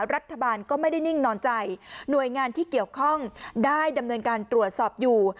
รัฐบาลก็ไม่ได้นิ่งนอนใจหน่วยงานที่เกี่ยวข้องได้ดำเนินการตรวจสอบอยู่